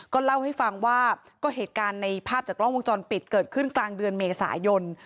เล่าให้ฟังว่าก็เหตุการณ์ในภาพจากกล้องวงจรปิดเกิดขึ้นกลางเดือนเมษายน